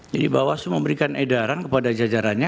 jadi bahwa semua memberikan edaran kepada jajarannya